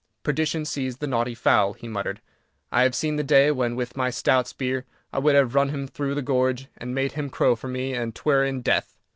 "Perdition seize the naughty fowl," he muttered, "I have seen the day when, with my stout spear, I would have run him through the gorge, and made him crow for me an 'twere in death!"